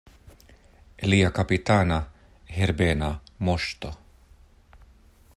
Lia kapitana Herbena Moŝto!